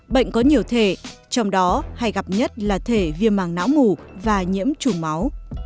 bệnh có nhiều thể trong đó hay gặp nhất là thể viêm mạng não ngủ và nhiễm chủng máu